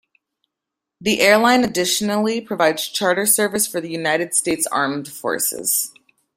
The airline additionally provides charter service for the United States Armed Forces.